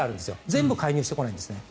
全部は介入してこないんです。